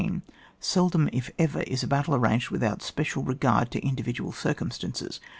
Seldom, if ever, is a battle ar ranged without special regard to indivi dual circumstances.